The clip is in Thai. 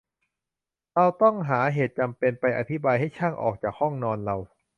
เราต้องหาเหตุจำเป็นไปอธิบายให้ช่างออกจากห้องนอนเรา